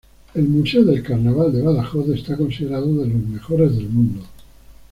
El Museo del Carnaval de Badajoz está considerado de los mejores del mundo.